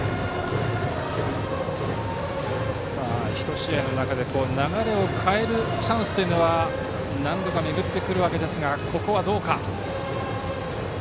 試合の中で流れを変えるチャンスは何度か巡ってくるわけですがここはどうか。